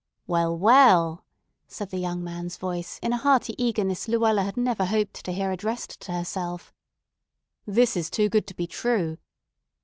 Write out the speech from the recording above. "Well, well," said the young man's voice in a hearty eagerness Luella had never hoped to hear addressed to herself, "this is too good to be true.